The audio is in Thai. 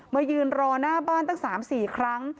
มายืนรอหน้าบ้านตั้ง๓๔ครั้ง